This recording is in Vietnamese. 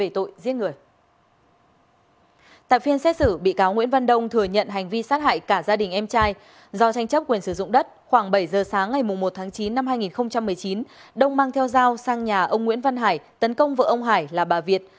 từ sáng ngày một tháng chín năm hai nghìn một mươi chín đông mang theo dao sang nhà ông nguyễn văn hải tấn công vợ ông hải là bà việt